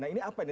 nah ini apa ini